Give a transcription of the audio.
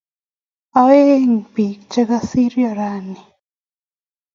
Oeng' biik che kosirio rauni